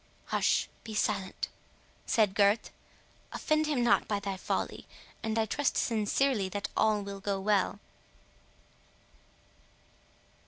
"Hush—be silent," said Gurth. "Offend him not by thy folly, and I trust sincerely that all will go well."